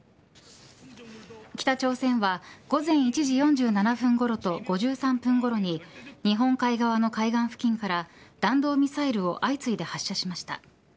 北朝鮮は午前１時４７分ごろと５３分ごろに日本海側の海岸付近から弾道ミサイルを相次いで発射しました。